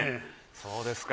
そうですか。